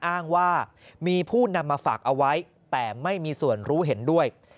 อ้างว่ามีผู้นำมาฝากเอาไว้แต่ไม่มีส่วนรู้เห็นด้วย